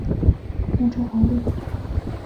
其祭孔典礼仍遵循古八佾舞的传统。